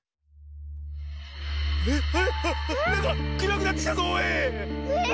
えっなんだ⁉くらくなってきたぞおい！